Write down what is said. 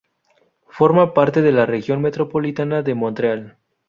Forma parte de la región metropolitana de Montreal.